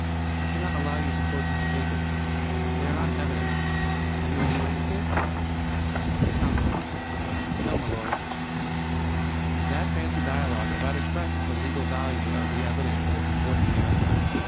I cannot allow you to quote these papers. They are not evidence. Have you any witnesses? COUNSEL: No, m'lud. That fancy dialogue about expresses the legal value of the evidence for this important miracle.